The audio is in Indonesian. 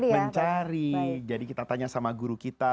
mencari jadi kita tanya sama guru kita